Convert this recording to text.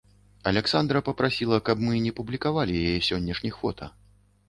Аляксандра папрасіла, каб мы не публікавалі яе сённяшніх фота.